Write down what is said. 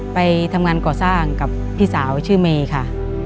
ไปทำงานก่อสร้างกับพี่สาวชื่อเมย์ค่ะ